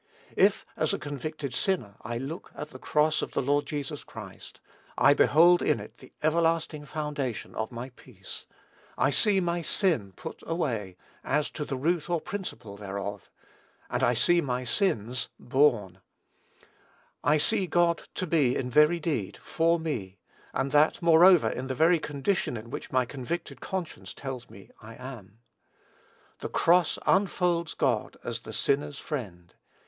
If as a convicted sinner I look at the cross of the Lord Jesus Christ, I behold in it the everlasting foundation of my peace. I see my "sin" put away, as to the root or principle thereof, and I see my "sins" borne. I see God to be, in very deed, "for me," and that, moreover, in the very condition in which my convicted conscience tells me I am. The cross unfolds God as the sinner's Friend.